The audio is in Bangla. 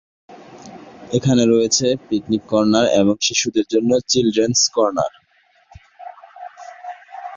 এখানে রয়েছে পিকনিক কর্নার এবং শিশুদের জন্য চিলড্রেন’স কর্নার।